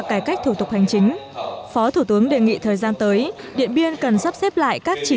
cải cách thủ tục hành chính phó thủ tướng đề nghị thời gian tới điện biên cần sắp xếp lại các chỉ